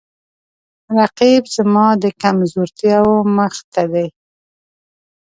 رقیب زما د کمزورتیاو مخ ته دی